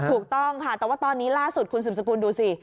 ถูกต้องค่ะแต่ว่าตอนนี้ล่าสุดคุณสืบสกุลดูสิ